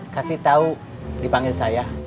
kasih tau dipanggil saya